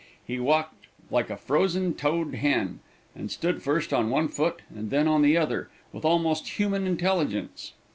He walked like a frozen toed hen, and stood first on one foot and then on the other, with almost human intelligence.